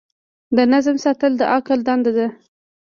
د نظم ساتل د عقل دنده ده.